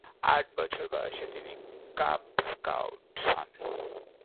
আট বছর বয়সে তিনি কাব স্কাউট হন।